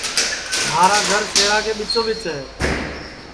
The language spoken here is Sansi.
مھارا گھر شہرا کے ٻیچو ٻیچ ہے